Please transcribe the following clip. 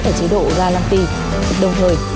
ở chế độ ga lăng ti đồng thời